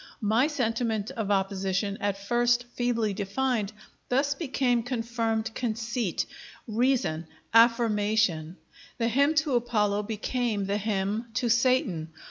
My sentiment of opposition, at first feebly defined, thus became confirmed conceit, reason, affirmation; the hymn to Apollo became the hymn to Satan.